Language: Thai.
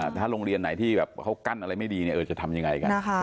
ถ้าโรงเรียนไหนที่แบบเขากั้นอะไรไม่ดีจะทำยังไงกัน